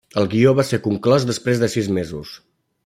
El guió va ser conclòs després de sis mesos.